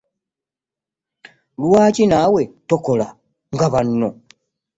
Lwaki naawe tokola nga banno?